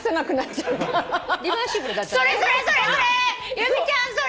由美ちゃんそれ！